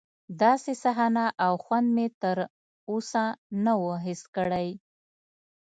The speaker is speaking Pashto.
داسې صحنه او خوند مې تر اوسه نه و حس کړی.